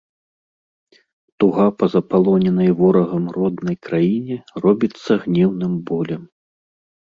Туга па запалоненай ворагам роднай краіне робіцца гнеўным болем.